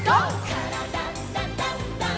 「からだダンダンダン」